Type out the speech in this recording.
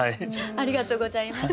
ありがとうございます。